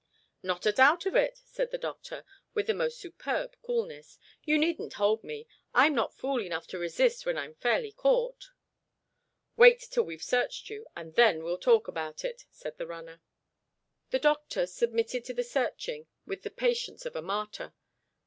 "Not a doubt of it," said the doctor, with the most superb coolness. "You needn't hold me. I'm not fool enough to resist when I'm fairly caught." "Wait till we've searched you; and then we'll talk about that," said the runner.* The doctor submitted to the searching with the patience of a martyr.